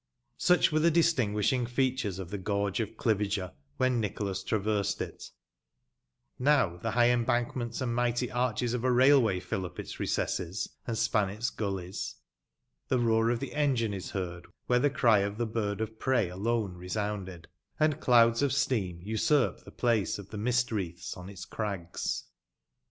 Such wäre the distingtiishmg featnres of the gorge of Oliviger when Nicholas trayersed iC New the high embankments and mightj arches of a raüway fiU np its recesses, and span its ^ollies ; tne roar of the engine ig heard where the crj of the bird of prey alone resoundea; and clouds of steam usnrp the place of the mist wreaths on its crags.